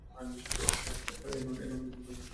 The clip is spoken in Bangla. এখন তোমার নিজের কথা পাড়ছি।